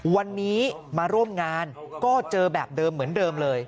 วันนี้มาร่วมงานก็เจอแบบเดิมเหมือนเดิมเลย